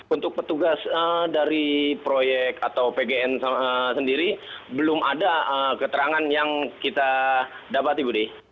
untuk petugas dari proyek atau pgn sendiri belum ada keterangan yang kita dapati budi